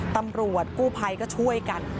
ตำรวจกู้ภัยก็ช่วยกัน